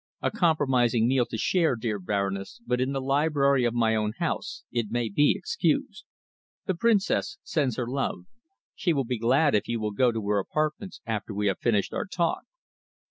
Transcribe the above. A compromising meal to share, dear Baroness, but in the library of my own house it may be excused. The Princess sends her love. She will be glad if you will go to her apartments after we have finished our talk."